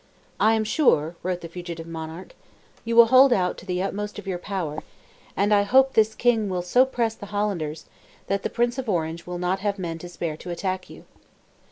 "I am sure," wrote the fugitive monarch, "you will hold out to the utmost of your power, and I hope this king will so press the Hollanders, that the Prince of Orange will not have men to spare to attack you."